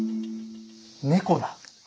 猫だ。